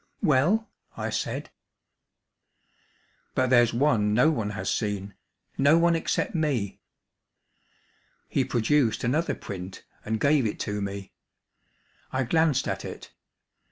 "Well?" I said. "But there's one no one has seen no one except me." He produced another print and gave it to me. I glanced at it.